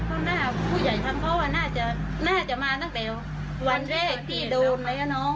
ผิดถูกยังไงเราค่อยว่ากันทีหลัง